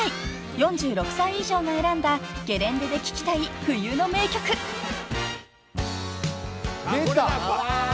［４６歳以上が選んだゲレンデで聴きたい冬の名曲］出た！